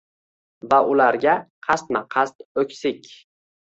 Va ularga qasdma-qasd oʼksik